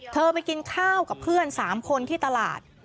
ไปกินข้าวกับเพื่อน๓คนที่ตลาด